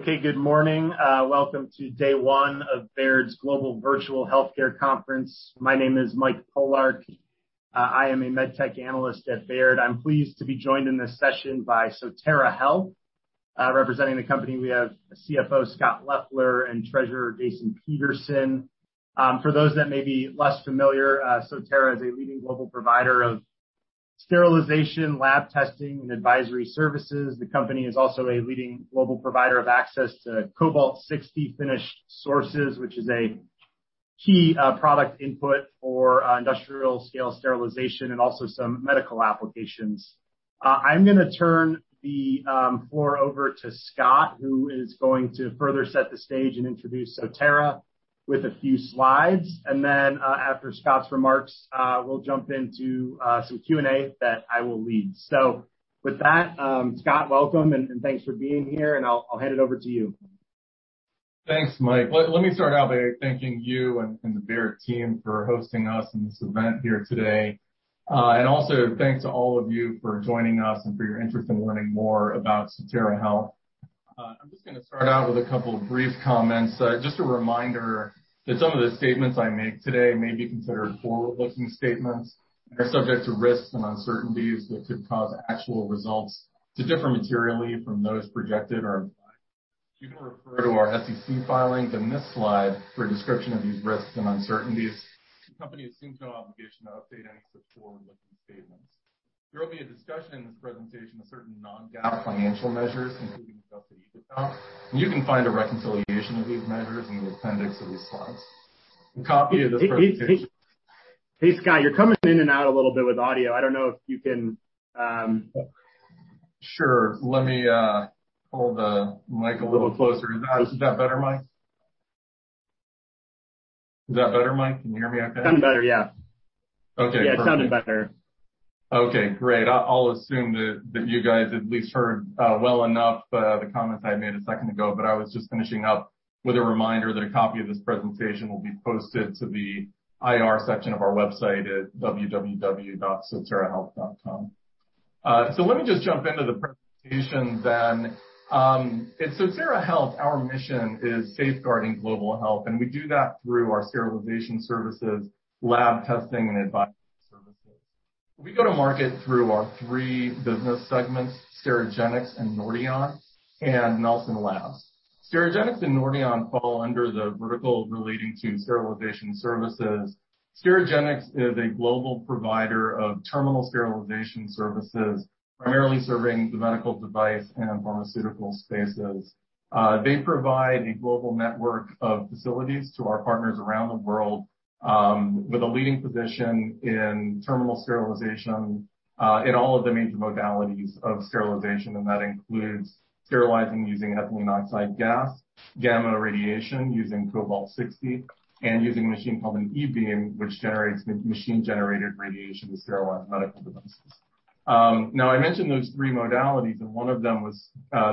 Okay. Good morning. Welcome to day one of Baird's Global Virtual Healthcare Conference. My name is Mike Polark. I am a med tech analyst at Baird. I'm pleased to be joined in this session by Sotera Health. Representing the company, we have CFO, Scott Leffler, and Treasurer, Jason Peterson. For those that may be less familiar, Sotera is a leading global provider of sterilization, lab testing, and advisory services. The company is also a leading global provider of access to Cobalt-60 finished sources, which is a key product input for industrial scale sterilization and also some medical applications. I'm going to turn the floor over to Scott, who is going to further set the stage and introduce Sotera with a few slides. After Scott's remarks, we'll jump into some Q&A that I will lead. With that, Scott, welcome and thanks for being here, and I'll hand it over to you. Thanks, Mike. Let me start out by thanking you and the Baird team for hosting us in this event here today. Also thanks to all of you for joining us and for your interest in learning more about Sotera Health. I'm just going to start out with a couple of brief comments. Just a reminder that some of the statements I make today may be considered forward-looking statements and are subject to risks and uncertainties that could cause actual results to differ materially from those projected or implied. You can refer to our SEC filings and this slide for a description of these risks and uncertainties. The company assumes no obligation to update any such forward-looking statements. There will be a discussion in this presentation of certain non-GAAP financial measures, including adjusted EBITDA, and you can find a reconciliation of these measures in the appendix of these slides. A copy of this presentation. Hey, Scott, you're coming in and out a little bit with audio. I don't know if you can. Sure. Let me, hold the mic a little closer. Is that better, Mike? Can you hear me okay? Sounding better, yeah. Okay, perfect. Yeah, sounding better. Okay, great. I'll assume that you guys at least heard well enough the comments I made a second ago, but I was just finishing up with a reminder that a copy of this presentation will be posted to the IR section of our website at www.soterahealth.com. Let me just jump into the presentation then. At Sotera Health, our mission is safeguarding global health, and we do that through our sterilization services, lab testing, and advisory services. We go to market through our three business segments, Sterigenics and Nordion and Nelson Labs. Sterigenics and Nordion fall under the vertical relating to sterilization services. Sterigenics is a global provider of terminal sterilization services, primarily serving the medical device and pharmaceutical spaces. They provide a global network of facilities to our partners around the world, with a leading position in terminal sterilization in all of the major modalities of sterilization, and that includes sterilizing using ethylene oxide gas, gamma radiation using Cobalt-60, and using a machine called an E-beam, which generates machine-generated radiation to sterilize medical devices. Now, I mentioned those three modalities, and one of them was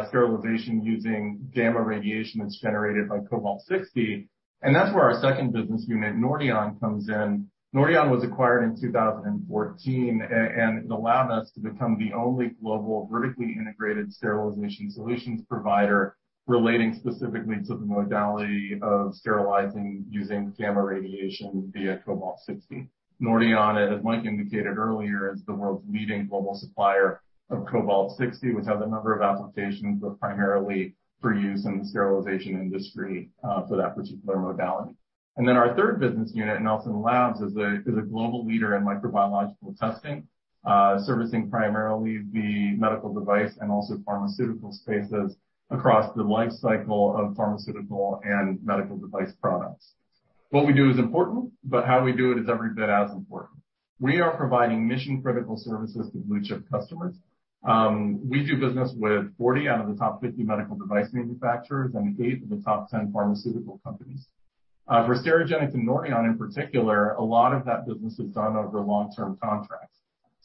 sterilization using gamma radiation that's generated by Cobalt-60. That's where our two business unit, Nordion, comes in. Nordion was acquired in 2014, and it allowed us to become the only global vertically integrated sterilization solutions provider relating specifically to the modality of sterilizing using gamma radiation via Cobalt-60. Nordion, as Mike indicated earlier, is the world's leading global supplier of Cobalt-60, which has a number of applications, but primarily for use in the sterilization industry for that particular modality. Our third business unit, Nelson Labs, is a global leader in microbiological testing, servicing primarily the medical device and also pharmaceutical spaces across the life cycle of pharmaceutical and medical device products. What we do is important, but how we do it is every bit as important. We are providing mission-critical services to blue-chip customers. We do business with 40 out of the top 50 medical device manufacturers and 8 of the top 10 pharmaceutical companies. For Sterigenics and Nordion in particular, a lot of that business is done over long-term contracts.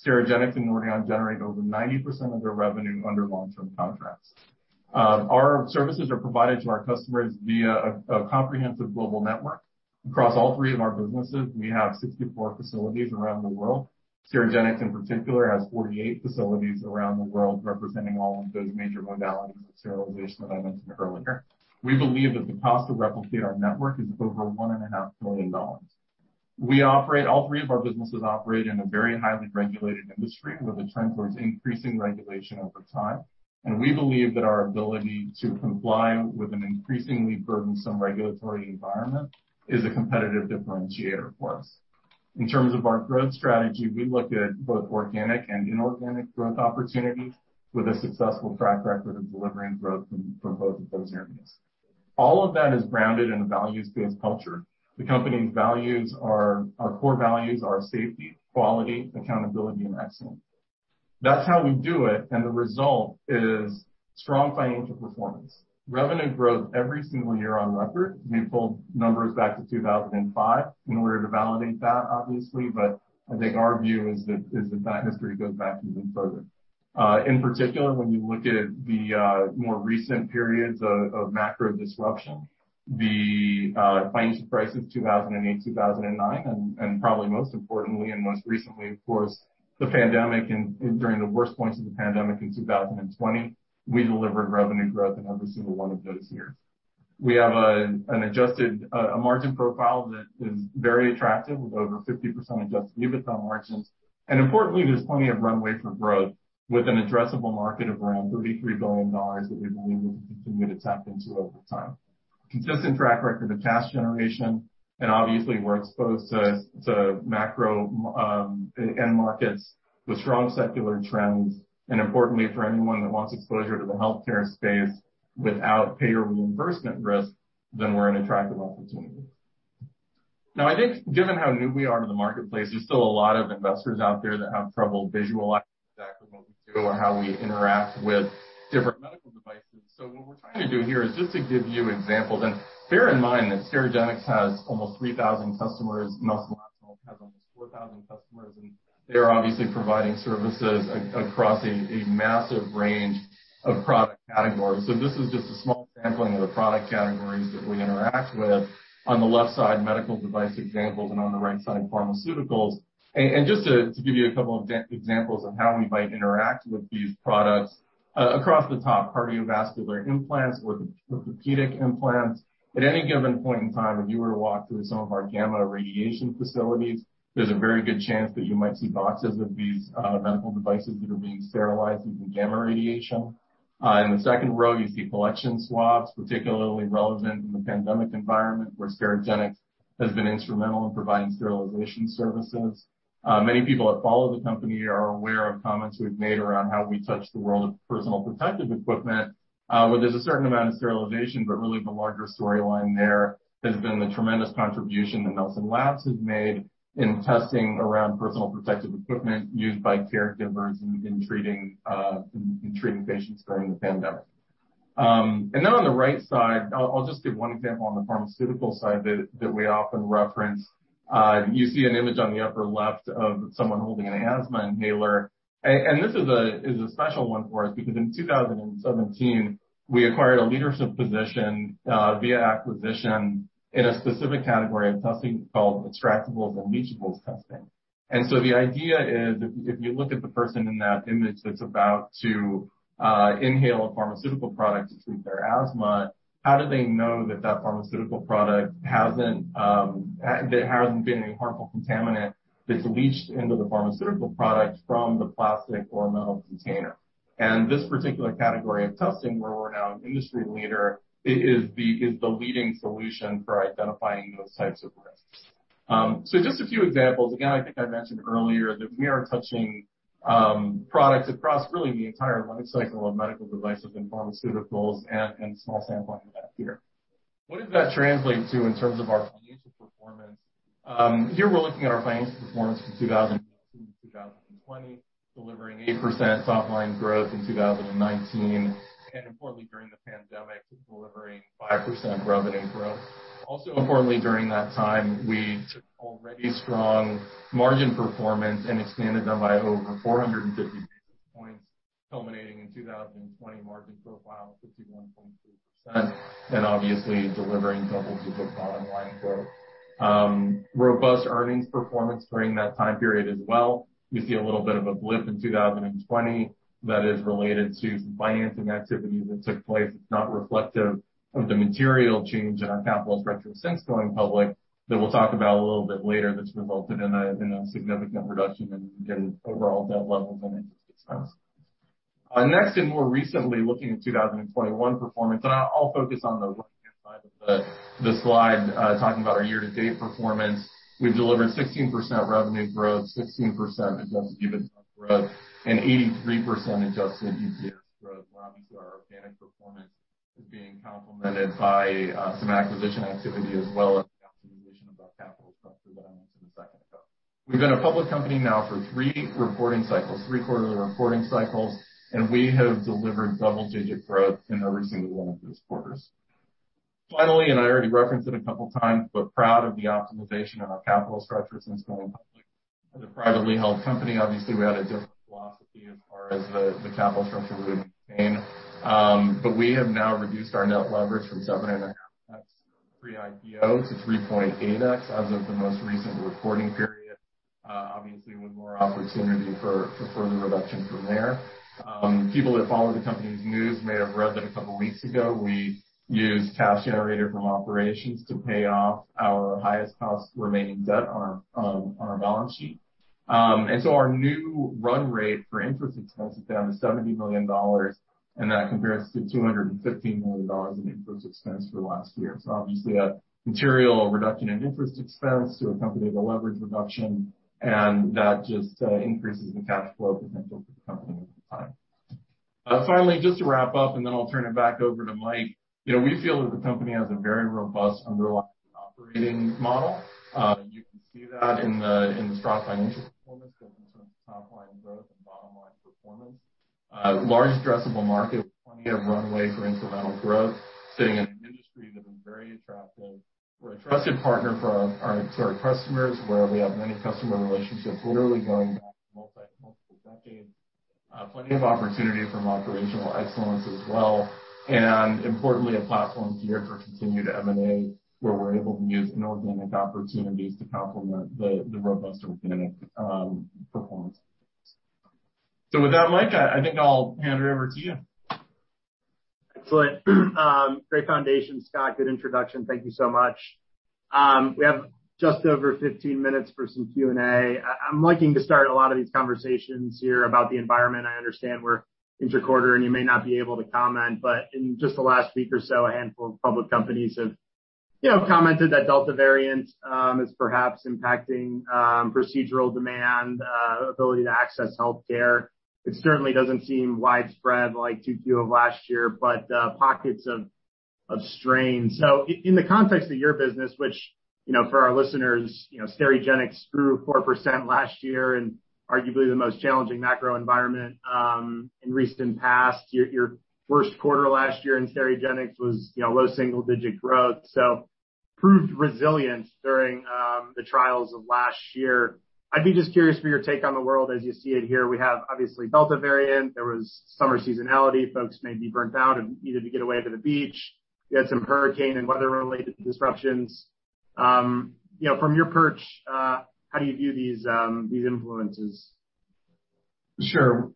Sterigenics and Nordion generate over 90% of their revenue under long-term contracts. Our services are provided to our customers via a comprehensive global network. Across all three of our businesses, we have 64 facilities around the world. Sterigenics in particular, has 48 facilities around the world, representing all of those major modalities of sterilization that I mentioned earlier. We believe that the cost to replicate our network is over one and a half billion dollars. All 3 of our businesses operate in a very highly regulated industry with a trend towards increasing regulation over time. We believe that our ability to comply with an increasingly burdensome regulatory environment is a competitive differentiator for us. In terms of our growth strategy, we look at both organic and inorganic growth opportunities with a successful track record of delivering growth from both of those areas. All of that is grounded in a values-based culture. The company's core values are safety, quality, accountability, and excellence. That's how we do it. The result is strong financial performance. Revenue growth every single year on record. We pulled numbers back to 2005 in order to validate that, obviously, but I think our view is that history goes back even further. In particular, when you look at the more recent periods of macro disruption, the financial crisis of 2008, 2009, and probably most importantly and most recently, of course, the pandemic and during the worst points of the pandemic in 2020, we delivered revenue growth in every single one of those years. We have an adjusted margin profile that is very attractive with over 50% adjusted EBITDA margins. Importantly, there's plenty of runway for growth with an addressable market of around $33 billion that we believe we can continue to tap into over time. Consistent track record of cash generation, obviously we're exposed to macro end markets with strong secular trends, importantly, for anyone that wants exposure to the healthcare space without payer reimbursement risk, we're an attractive opportunity. I think given how new we are to the marketplace, there's still a lot of investors out there that have trouble visualizing exactly what we do or how we interact with different medical devices. What we're trying to do here is just to give you examples, bear in mind that Sterigenics has almost 3,000 customers, Nelson Labs has almost 4,000 customers, they're obviously providing services across a massive range of product categories. This is just a small sampling of the product categories that we interact with. On the left side, medical device examples, on the right side, pharmaceuticals. Just to give you a couple of examples of how we might interact with these products. Across the top, cardiovascular implants, orthopedic implants. At any given point in time, if you were to walk through some of our gamma radiation facilities, there's a very good chance that you might see boxes of these medical devices that are being sterilized using gamma radiation. In the second row, you see collection swabs, particularly relevant in the pandemic environment, where Sterigenics has been instrumental in providing sterilization services. Many people that follow the company are aware of comments we've made around how we touch the world of personal protective equipment. There's a certain amount of sterilization, but really the larger storyline there has been the tremendous contribution that Nelson Labs has made in testing around personal protective equipment used by caregivers in treating patients during the pandemic. On the right side, I'll just give 1 example on the pharmaceutical side that we often reference. You see an image on the upper left of someone holding an asthma inhaler. This is a special 1 for us because in 2017, we acquired a leadership position via acquisition in a specific category of testing called extractables and leachables testing. The idea is, if you look at the person in that image that's about to inhale a pharmaceutical product to treat their asthma, how do they know that there hasn't been any harmful contaminant that's leached into the pharmaceutical product from the plastic or metal container? This particular category of testing, where we're now an industry leader, is the leading solution for identifying those types of risks. Just a few examples. Again, I think I mentioned earlier that we are touching products across really the entire life cycle of medical devices and pharmaceuticals and a small sampling of that here. What does that translate to in terms of our financial performance? Here we're looking at our financial performance from 2019 to 2020, delivering 8% top line growth in 2019, and importantly, during the pandemic, delivering 5% revenue growth. Also importantly, during that time, we took already strong margin performance and expanded them by over 450 basis points, culminating in 2020 margin profile of 51.3%, and obviously delivering double-digit bottom-line growth. Robust earnings performance during that time period as well. You see a little bit of a blip in 2020 that is related to some financing activities that took place. It's not reflective of the material change in our capital structure since going public that we'll talk about a little bit later that's resulted in a significant reduction in overall debt levels and interest expense. Next, more recently, looking at 2021 performance, I'll focus on the right-hand side of the slide, talking about our year-to-date performance. We've delivered 16% revenue growth, 16% adjusted EBITDA growth, and 83% adjusted EPS growth, where obviously our organic performance is being complemented by some acquisition activity as well as the optimization of our capital structure that I mentioned a second ago. We've been a public company now for three quarters of reporting cycles, we have delivered double-digit growth in every single one of those quarters. Finally, I already referenced it a couple times, proud of the optimization of our capital structure since going public. As a privately held company, obviously, we had a different philosophy as far as the capital structure we would maintain. We have now reduced our net leverage from 7.5x pre-IPO to 3.8x as of the most recent reporting period. Obviously, with more opportunity for further reduction from there. People that follow the company's news may have read that 2 weeks ago, we used cash generated from operations to pay off our highest cost remaining debt on our balance sheet. Our new run rate for interest expense is down to $70 million, and that compares to $215 million in interest expense for last year. Obviously, a material reduction in interest expense to accompany the leverage reduction, and that just increases the cash flow potential for the company over time. Just to wrap up and then I'll turn it back over to Mike. We feel that the company has a very robust underlying operating model. You can see that in the strong financial performance both in terms of top line growth and bottom line performance. Large addressable market with plenty of runway for incremental growth, sitting in an industry that is very attractive. We're a trusted partner for our customers where we have many customer relationships literally going back multiple decades. Plenty of opportunity from operational excellence as well. Importantly, a platform here for continued M&A, where we're able to use inorganic opportunities to complement the robust organic performance. With that, Mike, I think I'll hand it over to you. Excellent. Great foundation, Scott. Good introduction. Thank you so much. We have just over 15 minutes for some Q&A. I'm liking to start a lot of these conversations here about the environment. I understand we're inter-quarter, and you may not be able to comment, but in just the last week or so, a handful of public companies have commented that Delta variant is perhaps impacting procedural demand, ability to access healthcare. It certainly doesn't seem widespread like 2Q of last year, but pockets of strain. In the context of your business, which for our listeners, Sterigenics grew 4% last year in arguably the most challenging macro environment in recent past. Your first quarter last year in Sterigenics was low single-digit growth, so proved resilient during the trials of last year. I'd be just curious for your take on the world as you see it here. We have, obviously, Delta variant. There was summer seasonality. Folks may be burnt out and needed to get away to the beach. We had some hurricane and weather-related disruptions. From your perch, how do you view these influences?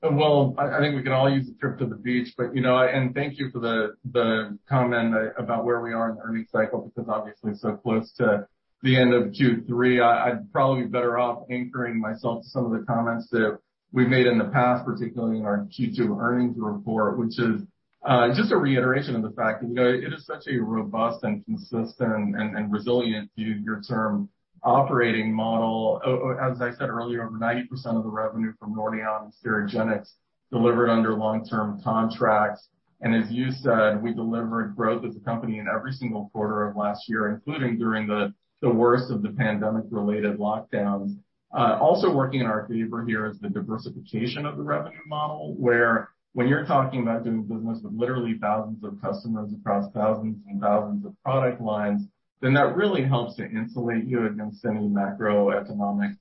Well, I think we can all use a trip to the beach, and thank you for the comment about where we are in the earnings cycle, because obviously we're so close to the end of Q3. I'd probably be better off anchoring myself to some of the comments that we've made in the past, particularly in our Q2 earnings report, which is just a reiteration of the fact that it is such a robust and consistent, and resilient to your term operating model. As I said earlier, over 90% of the revenue from Nordion and Sterigenics delivered under long-term contracts. As you said, we delivered growth as a company in every single quarter of last year, including during the worst of the pandemic-related lockdowns. Also working in our favor here is the diversification of the revenue model, where when you're talking about doing business with literally thousands of customers across thousands and thousands of product lines, then that really helps to insulate you against any macroeconomic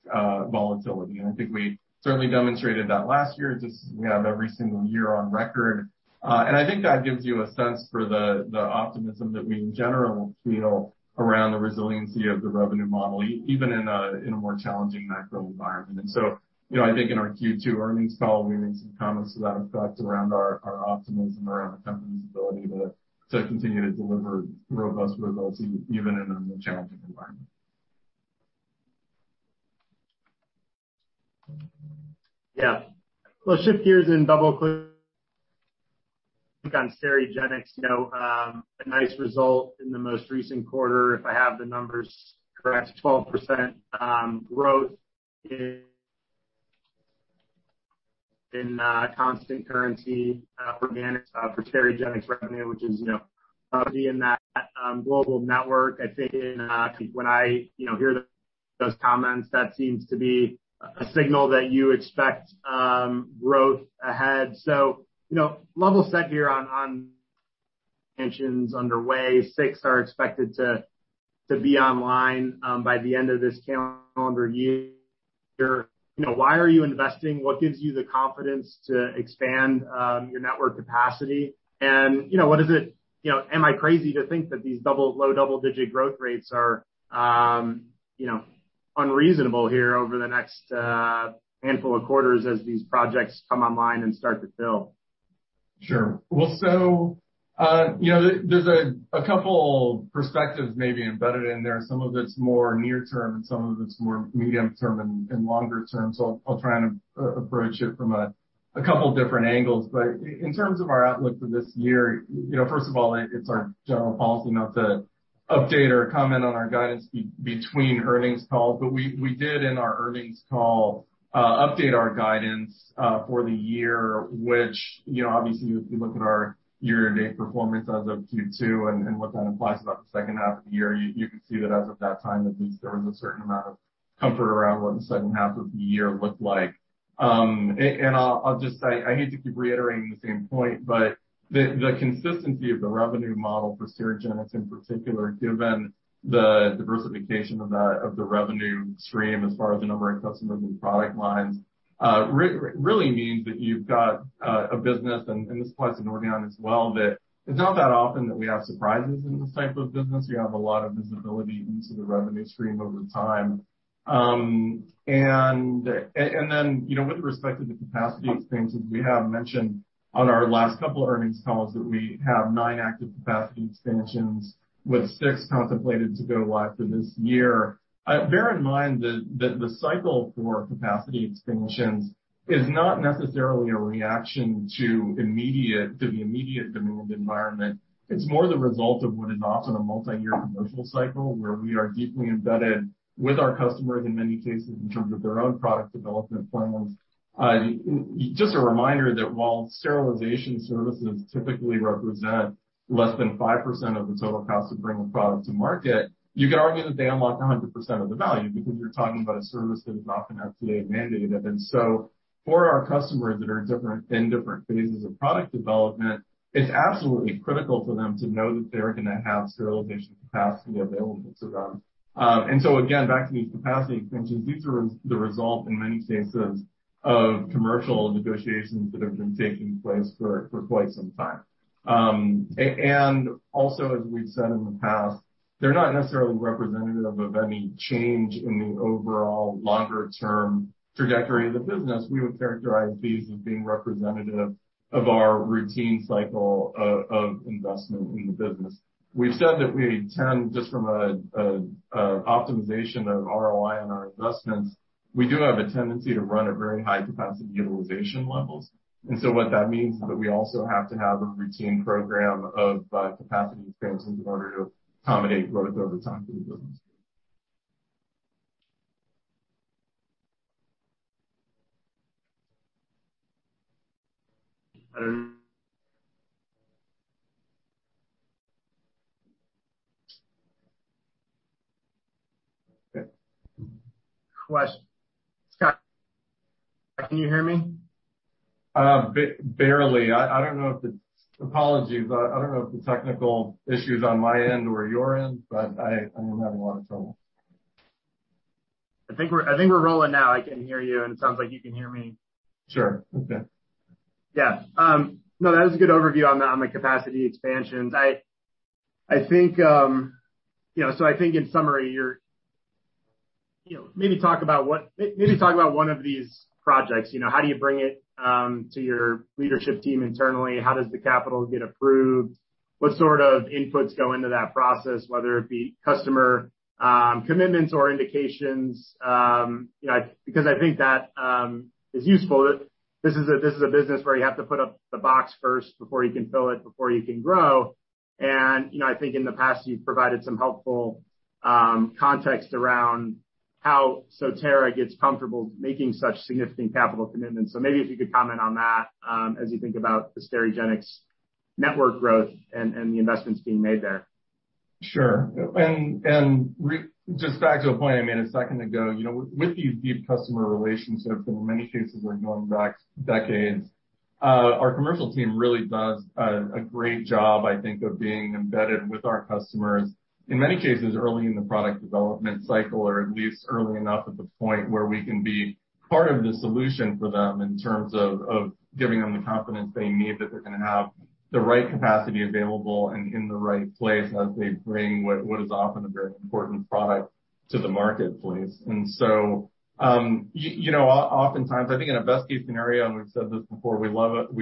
volatility. I think we certainly demonstrated that last year, just as we have every single year on record. I think that gives you a sense for the optimism that we, in general, feel around the resiliency of the revenue model, even in a more challenging macro environment. I think in our Q2 earnings call, we made some comments to that effect around our optimism around the company's ability to continue to deliver robust results, even in a more challenging environment. We'll shift gears and double-click on Sterigenics. A nice result in the most recent quarter, if I have the numbers correct, 12% growth in constant currency for Sterigenics revenue, which is probably in that global network. I think when I hear those comments, that seems to be a signal that you expect growth ahead. Level set here on expansions underway. Six are expected to be online by the end of this calendar year. Why are you investing? What gives you the confidence to expand your network capacity? Am I crazy to think that these low double-digit growth rates are unreasonable here over the next handful of quarters as these projects come online and start to build? Sure. Well, there's two perspectives maybe embedded in there. Some of it's more near term, and some of it's more medium term and longer term. I'll try and approach it from two different angles. In terms of our outlook for this year, first of all, it's our general policy not to update or comment on our guidance between earnings calls. We did, in our earnings call, update our guidance for the year, which obviously, if you look at our year-to-date performance as of Q2 and what that implies about the second half of the year, you can see that as of that time, at least there was a certain amount of comfort around what the second half of the year looked like. I hate to keep reiterating the same point, but the consistency of the revenue model for Sterigenics in particular, given the diversification of the revenue stream as far as the number of customers and product lines really means that you've got a business, and this applies to Nordion as well, that it's not that often that we have surprises in this type of business. You have a lot of visibility into the revenue stream over time. With respect to the capacity expansions, we have mentioned on our last couple earnings calls that we have nine active capacity expansions, with 6 contemplated to go live for this year. Bear in mind that the cycle for capacity expansions is not necessarily a reaction to the immediate demand environment. It's more the result of what is often a multi-year commercial cycle, where we are deeply embedded with our customers in many cases in terms of their own product development plans. Just a reminder that while sterilization services typically represent less than 5% of the total cost to bring a product to market, you could argue that they unlock 100% of the value, because you're talking about a service that is often FDA mandated. For our customers that are in different phases of product development, it's absolutely critical for them to know that they're going to have sterilization capacity available to them. Again, back to these capacity expansions, these are the result, in many cases, of commercial negotiations that have been taking place for quite some time. Also, as we've said in the past, they're not necessarily representative of any change in the overall longer-term trajectory of the business. We would characterize these as being representative of our routine cycle of investment in the business. We've said that we tend, just from an optimization of ROI on our investments, we do have a tendency to run at very high capacity utilization levels. What that means is that we also have to have a routine program of capacity expansions in order to accommodate growth over time for the business. Question. Scott, can you hear me? Barely. Apology, but I don't know if the technical issue is on my end or your end, but I am having a lot of trouble. I think we're rolling now. I can hear you, and it sounds like you can hear me. Sure. Okay. Yeah. No, that was a good overview on the capacity expansions. I think in summary, maybe talk about one of these projects. How do you bring it to your leadership team internally? How does the capital get approved? What sort of inputs go into that process, whether it be customer commitments or indications? I think that is useful. This is a business where you have to put up the box first before you can fill it, before you can grow. I think in the past, you've provided some helpful context around how Sotera gets comfortable making such significant capital commitments. Maybe if you could comment on that as you think about the Sterigenics network growth and the investments being made there. Sure. Just back to a point I made one second ago. With these deep customer relationships, in many cases, we're going back decades. Our commercial team really does a great job, I think, of being embedded with our customers, in many cases, early in the product development cycle or at least early enough at the point where we can be part of the solution for them in terms of giving them the confidence they need that they're going to have the right capacity available and in the right place as they bring what is often a very important product to the marketplace. Oftentimes, I think in a best-case scenario, and we've said this before, we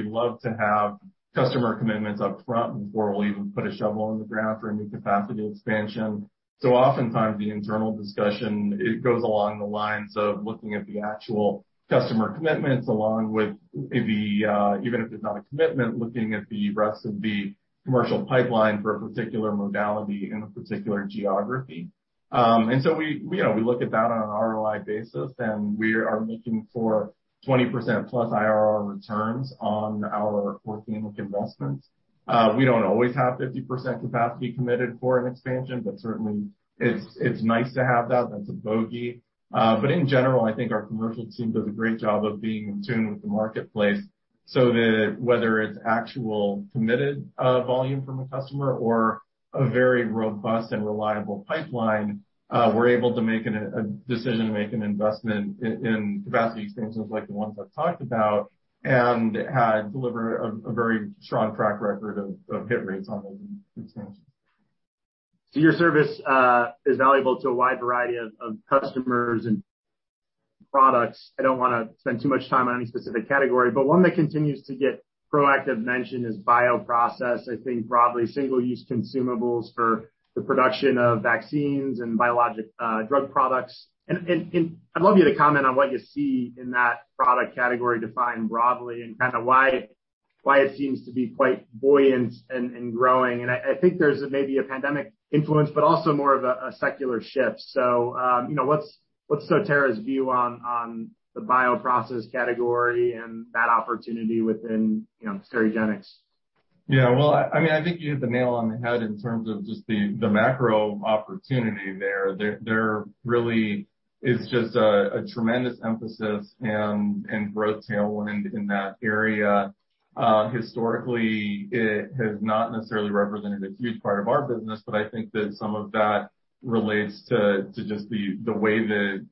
love to have customer commitments up front before we'll even put a shovel in the ground for one new capacity expansion. Oftentimes, the internal discussion, it goes along the lines of looking at the actual customer commitments along with maybe, even if there's not a commitment, looking at the rest of the commercial pipeline for a particular modality in a particular geography. We look at that on an ROI basis, and we are looking for 20% plus IRR returns on our working with investments. We don't always have 50% capacity committed for an expansion, but certainly it's nice to have that. That's a bogey. In general, I think our commercial team does a great job of being in tune with the marketplace so that whether it's actual committed volume from a customer or a very robust and reliable pipeline, we're able to make a decision to make an investment in capacity expansions like the ones I've talked about and had delivered a very strong track record of hit rates on those expansions. Your service is valuable to a wide variety of customers and products. I don't want to spend too much time on any specific category, but one that continues to get proactive mention is bioprocess, I think broadly single-use consumables for the production of vaccines and biologic drug products. I'd love you to comment on what you see in that product category defined broadly and why it seems to be quite buoyant and growing. I think there's maybe a pandemic influence, but also more of a secular shift. What's Sotera's view on the bioprocess category and that opportunity within Sterigenics? Yeah. I think you hit the nail on the head in terms of just the macro opportunity there. There really is just a tremendous emphasis and growth tailwind in that area. Historically, it has not necessarily represented a huge part of our business, but I think that some of that relates to just the way that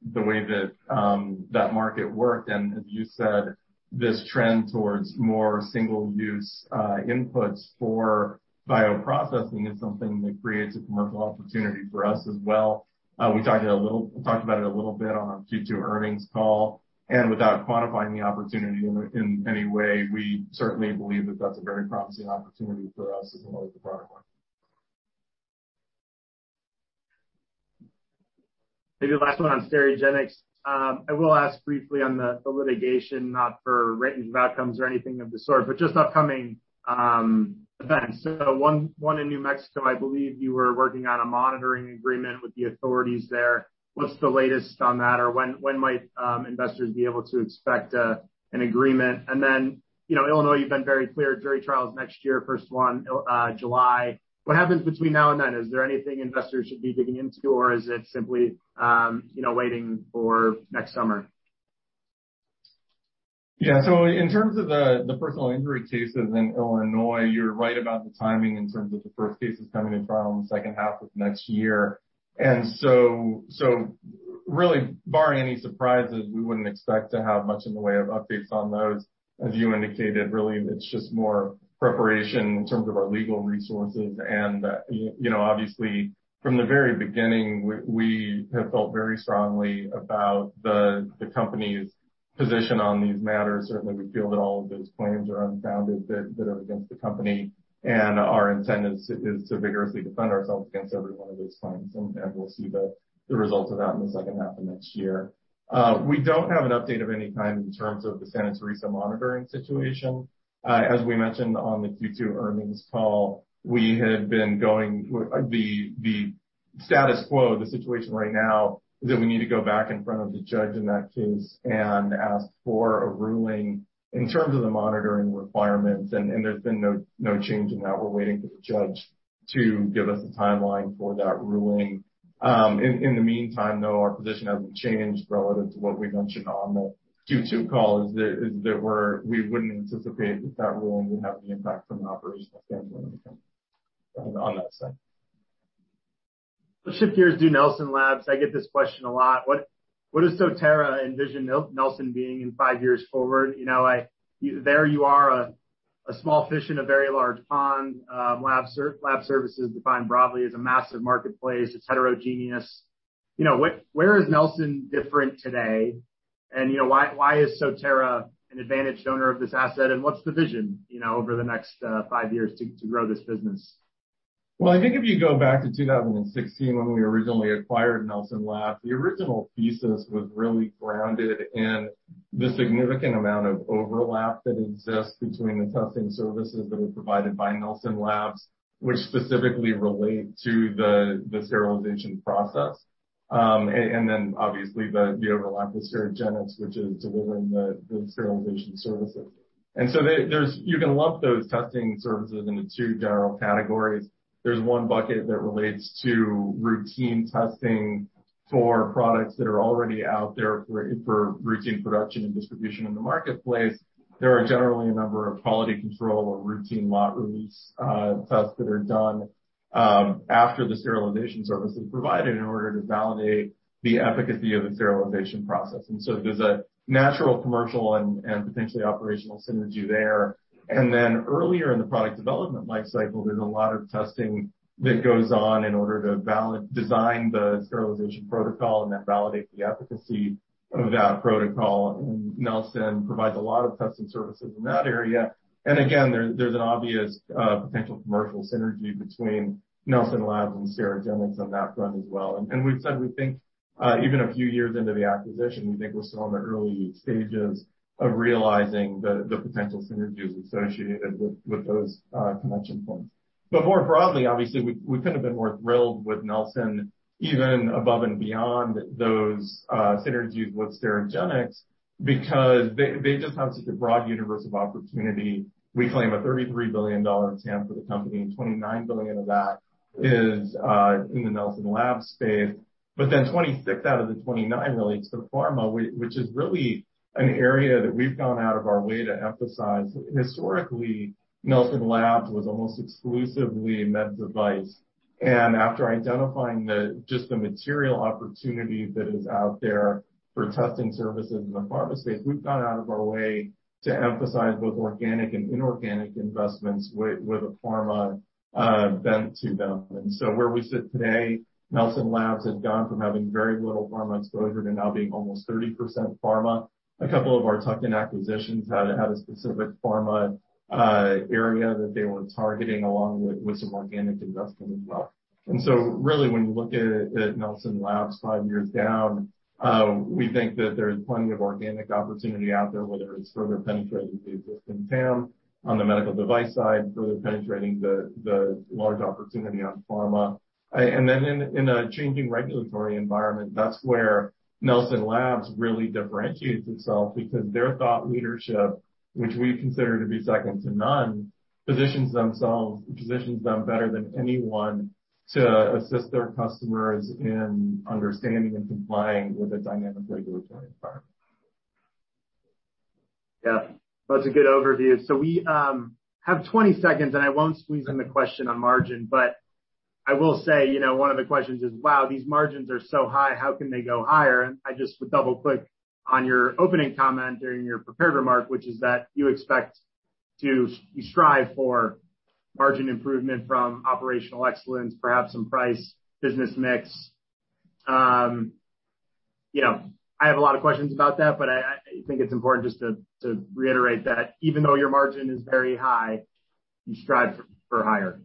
that market worked. As you said, this trend towards more single-use inputs for bioprocessing is something that creates a commercial opportunity for us as well. We talked about it a little bit on our Q2 earnings call, and without quantifying the opportunity in any way, we certainly believe that that's a very promising opportunity for us as well as the product line. Maybe the last one on Sterigenics. I will ask briefly on the litigation, not for rate of outcomes or anything of the sort, but just upcoming events. One in New Mexico, I believe you were working on a monitoring agreement with the authorities there. What's the latest on that? When might investors be able to expect an agreement? Illinois, you've been very clear, jury trial is next year, first one July. What happens between now and then? Is there anything investors should be digging into, or is it simply waiting for next summer? Yeah. In terms of the personal injury cases in Illinois, you're right about the timing in terms of the first cases coming to trial in the second half of next year. Really, barring any surprises, we wouldn't expect to have much in the way of updates on those. As you indicated, really, it's just more preparation in terms of our legal resources. Obviously, from the very beginning, we have felt very strongly about the company's position on these matters. Certainly, we feel that all of those claims are unfounded that are against the company, and our intent is to vigorously defend ourselves against every one of those claims, and we'll see the results of that in the second half of next year. We don't have an update of any kind in terms of the Santa Teresa monitoring situation. As we mentioned on the Q2 earnings call, the status quo, the situation right now is that we need to go back in front of the judge in that case and ask for a ruling in terms of the monitoring requirements. There's been no change in that. We're waiting for the judge to give us a timeline for that ruling. In the meantime, though, our position hasn't changed relative to what we mentioned on the Q2 call, is that we wouldn't anticipate that ruling would have any impact from an operational standpoint on the company on that front. Let's shift gears to Nelson Labs. I get this question a lot. What does Sotera envision Nelson being in five years forward? There you are, a small fish in a very large pond. Lab services, defined broadly, is a massive marketplace. It's heterogeneous. Where is Nelson different today? Why is Sotera an advantaged owner of this asset? What's the vision over the next five years to grow this business? Well, I think if you go back to 2016, when we originally acquired Nelson Labs, the original thesis was really grounded in the significant amount of overlap that exists between the testing services that were provided by Nelson Labs, which specifically relate to the sterilization process. Obviously the overlap with Sterigenics, which is delivering the sterilization services. You can lump those testing services into two general categories. There's 1 bucket that relates to routine testing for products that are already out there for routine production and distribution in the marketplace. There are generally a number of quality control or routine lot release tests that are done after the sterilization service is provided in order to validate the efficacy of the sterilization process. There's a natural commercial and potentially operational synergy there. Earlier in the product development life cycle, there's a lot of testing that goes on in order to design the sterilization protocol and that validates the efficacy of that protocol, Nelson Labs provides a lot of testing services in that area. Again, there's an obvious potential commercial synergy between Nelson Labs and Sterigenics on that front as well. We've said, we think even a few years into the acquisition, we think we're still in the early stages of realizing the potential synergies associated with those connection points. More broadly, obviously, we couldn't have been more thrilled with Nelson Labs, even above and beyond those synergies with Sterigenics, because they just have such a broad universe of opportunity. We claim a $33 billion TAM for the company, and $29 billion of that is in the Nelson Labs space. $26 out of the $29 relates to the pharma, which is really an area that we've gone out of our way to emphasize. Historically, Nelson Labs was almost exclusively med device, and after identifying just the material opportunity that is out there for testing services in the pharma space, we've gone out of our way to emphasize both organic and inorganic investments with a pharma bent to them. Where we sit today, Nelson Labs has gone from having very little pharma exposure to now being almost 30% pharma. A couple of our tuck-in acquisitions had a specific pharma area that they were targeting, along with some organic investment as well. Really, when you look at Nelson Labs five years down, we think that there is plenty of organic opportunity out there, whether it's further penetrating the existing TAM on the medical device side, further penetrating the large opportunity on pharma. In a changing regulatory environment, that's where Nelson Labs really differentiates itself because their thought leadership, which we consider to be second to none, positions them better than anyone to assist their customers in understanding and complying with a dynamic regulatory environment. Yeah. That's a good overview. We have 20 seconds, and I won't squeeze in the question on margin, but I will say, one of the questions is: Wow, these margins are so high, how can they go higher? I just would double-click on your opening comment during your prepared remark, which is that you strive for margin improvement from operational excellence, perhaps some price business mix. I have a lot of questions about that, but I think it's important just to reiterate that even though your margin is very high, you strive for higher.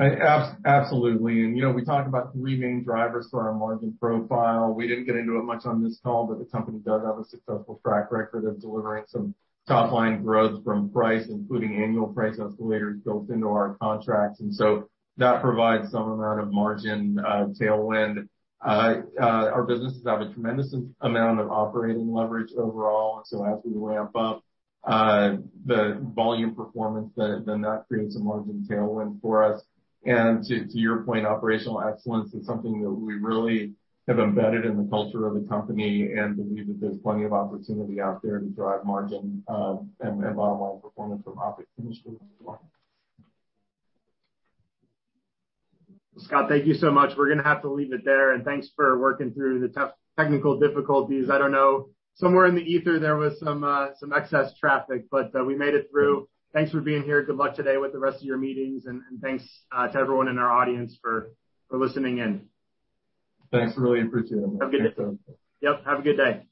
Absolutely. We talk about three main drivers for our margin profile. We didn't get into it much on this call, but the company does have a successful track record of delivering some top-line growth from price, including annual price escalators built into our contracts. That provides some amount of margin tailwind. Our businesses have a tremendous amount of operating leverage overall. As we ramp up the volume performance, then that creates a margin tailwind for us. To your point, operational excellence is something that we really have embedded in the culture of the company and believe that there's plenty of opportunity out there to drive margin and bottom-line performance from OpEx as well. Scott, thank you so much. We're going to have to leave it there, and thanks for working through the technical difficulties. I don't know. Somewhere in the ether, there was some excess traffic. We made it through. Thanks for being here. Good luck today with the rest of your meetings, and thanks to everyone in our audience for listening in. Thanks. Really appreciate it. Have a good day. Yep, have a good day.